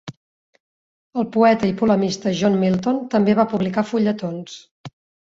El poeta i polemista John Milton també va publicar fulletons.